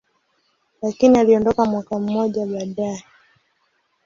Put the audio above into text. lakini aliondoka mwaka mmoja baadaye.